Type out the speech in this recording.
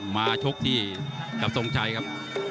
มาชกที่ทรัพย์ทรงชัยครับ